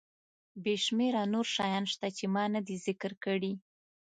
بې شمېره نور شیان شته چې ما ندي ذکر کړي.